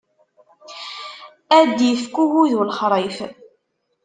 Ad d-ifk ugudu lexṛif.